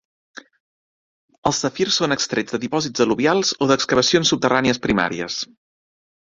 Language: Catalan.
Els safirs són extrets de dipòsits al·luvials o d'excavacions subterrànies primàries.